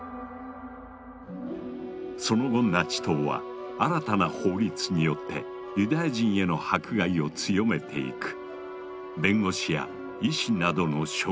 その後ナチ党は新たな法律によってユダヤ人への迫害を強めていく。